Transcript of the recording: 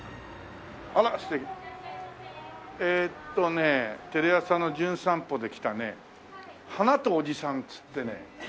えっとねテレ朝の『じゅん散歩』で来たね『花と小父さん』っつってね。